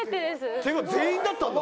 っていうか全員だったんだ。